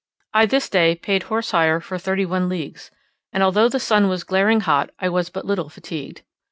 I this day paid horse hire for thirty one leagues; and although the sun was glaring hot I was but little fatigued.